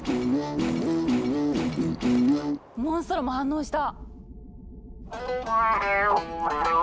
モンストロも反応した！